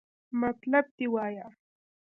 مطلب دې وایا!